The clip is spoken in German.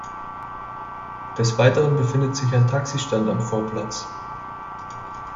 Des Weiteren befindet sich ein Taxistand am Vorplatz.